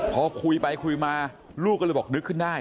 พอคุยไปคุยมาลูกก็เลยบอกนึกขึ้นได้